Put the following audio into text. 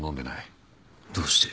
どうして